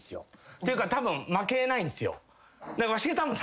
っていうかたぶん負けないんすよ。